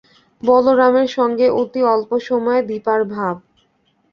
বলরামের সঙ্গে অতি অল্প সময়ে দিপার ভাব।